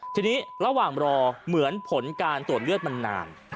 ทีนี้ระหว่างรอเหมือนผลการตรวจเลือดมันนาน